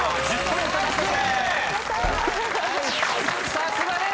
さすがです！